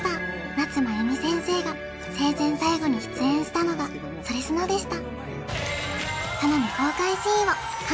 夏まゆみ先生が生前最後に出演したのがそれスノでした